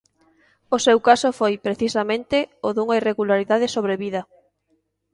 O seu caso foi, precisamente, o dunha irregularidade sobrevida.